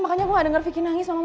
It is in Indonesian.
makanya aku gak denger vicky nangis